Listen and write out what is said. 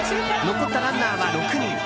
残ったランナーは６人。